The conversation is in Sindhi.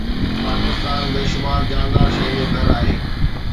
پاڪستان بيشمار جاندار شين جو گهر آهي